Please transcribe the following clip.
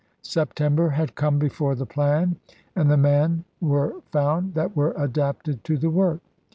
September had come before the plan and the man were found that were adapted to the work.